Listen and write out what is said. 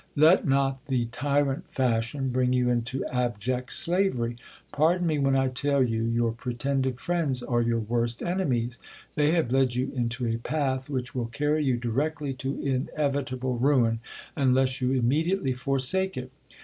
Let not the tyrant fashion bring you into abject slavery. Pardon me when I tell you, your pretended friends are your worst enemies. Thejr have led you into a path which will carry you directly to inevitable ruin, unless you immediately forsake it.